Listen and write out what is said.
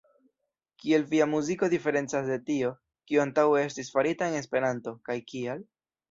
Kiel via muziko diferencas de tio, kio antaŭe estis farita en Esperanto, kaj kial?